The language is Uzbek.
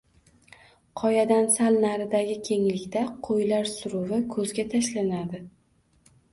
Qoyadan sal naridagi kenglikda qoʻylar suruvi koʻzga tashlanadi